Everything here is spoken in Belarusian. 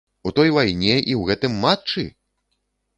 У той вайне і ў гэтым матчы?!!